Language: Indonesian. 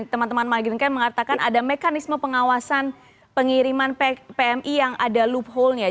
teman teman migran camp mengatakan ada mekanisme pengawasan pengiriman pmi yang ada loophole nya